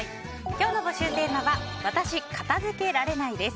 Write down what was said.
今日の募集テーマは私、片付けられない！です。